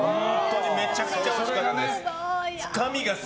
めちゃくちゃおいしかったです。